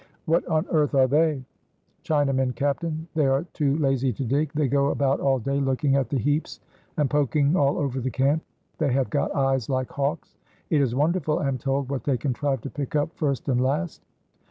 "What on earth are they?" "Chinamen, captain. They are too lazy to dig. They go about all day looking at the heaps and poking all over the camp. They have got eyes like hawks. It is wonderful, I am told, what they contrive to pick up first and last.